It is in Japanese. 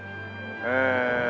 ええ。